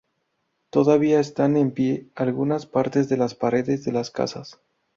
Todavía están en pie algunas partes de las paredes de las casas.